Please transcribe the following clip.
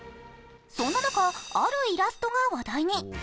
そんな中、あるイラストが話題に。